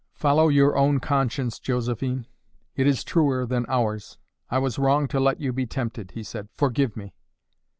"Follow your own conscience, Josephine; it is truer than ours. I was wrong to let you be tempted," he said. "Forgive me!"